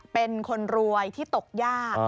เป็นคนรวยที่ตกยาก